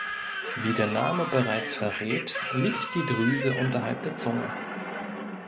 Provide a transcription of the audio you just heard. Wie der Name bereits verrät, liegt die Drüse unterhalb der Zunge.